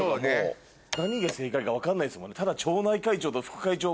何が正解か分かんないですもんねただ。